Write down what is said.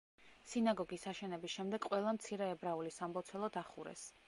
სინაგოგის აშენების შემდეგ ყველა მცირე ებრაული სამლოცველო დახურეს.